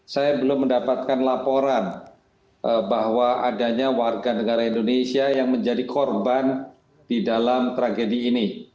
saya belum mendapatkan laporan bahwa adanya warga negara indonesia yang menjadi korban di dalam tragedi ini